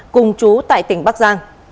cùng chú tại tỉnh bắc giang